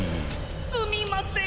すみません。